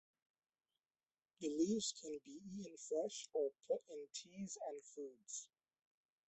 The leaves can be eaten fresh or put in teas and foods.